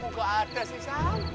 mungkin ada sih